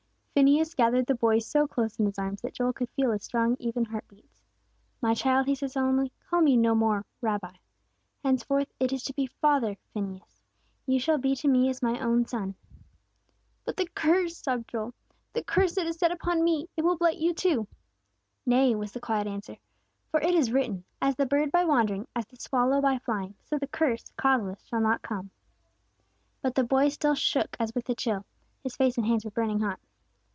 Phineas gathered the boy so close in his arms that Joel could feel his strong, even heart beats. "My child," he said solemnly, "call me no more, Rabbi! Henceforth, it is to be father Phineas. You shall be to me as my own son!" "But the curse!" sobbed Joel. "The curse that is set upon me! It will blight you too!" "Nay," was the quiet answer; "for it is written, 'As the bird by wandering, as the swallow by flying, so the curse, causeless, shall not come.'" But the boy still shook as with a chill. His face and hands were burning hot.